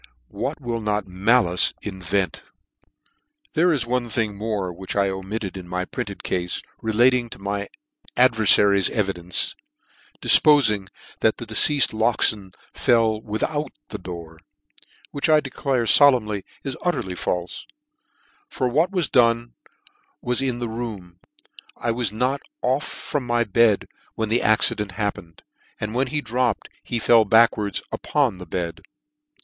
What cannot malice invent. There NEW NEWGATE CALENDAR. There is one thing more which I omitted in my printed cafe, relating to my adverfary's evidences depofing, that the deceafed Loxton fell without the door: which I declare folemnly, is utterly falfe 3 for what was done was in the room ; I was not off from my bed when the accident hap pened : and when he dropped, he fell backwards tipon the bed.